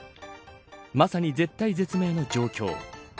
まさに絶体絶命の状況。